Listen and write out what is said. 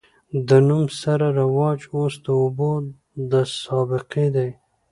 د نوم سره رواج اوس د ابو د سابقې دے